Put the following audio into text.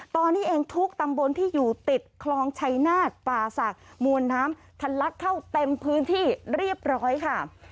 ตอนนี้เองทุกตำบลที่อยู่ติดคลองชัยนาฏป่าศักดิ์มวลน้ำทันลักเข้าเต็มพื้นที่เรียบร้อยค่ะ